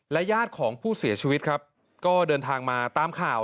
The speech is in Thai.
ญาติของผู้เสียชีวิตครับก็เดินทางมาตามข่าว